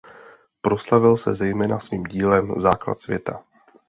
Proslavil se zejména svým dílem "Základ světa".